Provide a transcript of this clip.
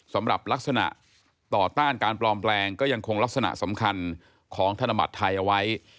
สำหรับลักษณะต่อต้านการปลอมแปลงก็ยังคงลักษณะสำคัญของธนบัตรไทยเอาไว้